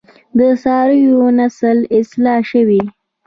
د څارویو نسل اصلاح شوی؟